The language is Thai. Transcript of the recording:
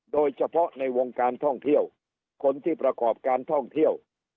โดยเฉพาะในวงการท่องเที่ยวคนที่ประกอบการท่องเที่ยว